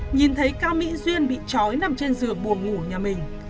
nhìn thấy cao mỹ duyên bị trói nằm trên giường buồn ngủ ở nhà mình